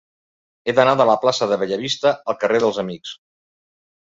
He d'anar de la plaça de Bellavista al carrer dels Amics.